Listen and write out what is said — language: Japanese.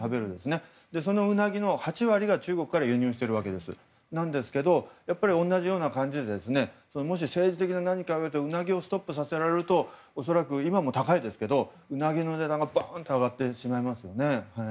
そのウナギの８割は中国から輸入しているわけですけどやっぱり同じような感じで政治的な何かでウナギをストップさせられると恐らく、今も高いですけどウナギの値段はバーンと上がってしまいますよね。